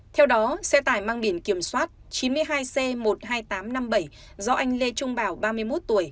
theo đó xe tải mang biển kiểm soát chín mươi hai c một mươi hai nghìn tám trăm năm mươi bảy do anh lê trung bảo ba mươi một tuổi